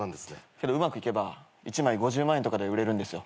けどうまくいけば１枚５０万円とかで売れるんですよ。